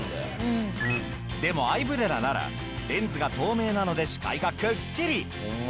でもアイブレラならレンズが透明なので視界がくっきり！